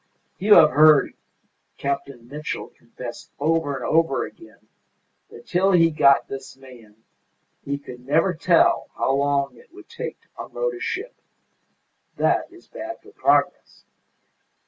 You have heard Captain Mitchell confess over and over again that till he got this man he could never tell how long it would take to unload a ship. That is bad for progress.